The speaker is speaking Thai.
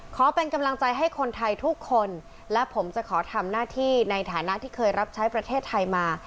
ขอเป็นกำลังใจให้คนไทยทุกคนและผมจะขอทำหน้าที่ในฐานะที่เคยรับใช้ประเทศไทยมา